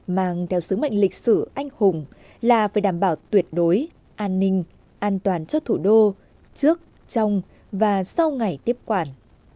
mang theo sứ mệnh lịch sử anh hùng là phải đảm bảo tuyệt đối an ninh an toàn cho thủ đô trước trong và sau ngày tiếp quản